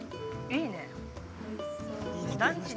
いいね。